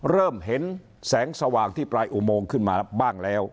เริ่มเห็นแสงสว่างที่ปลายอุโมงขึ้นมาบ้างแล้ว